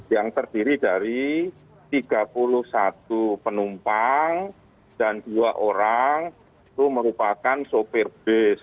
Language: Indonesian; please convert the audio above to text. yang terdiri dari tiga puluh satu penumpang dan dua orang itu merupakan sopir bus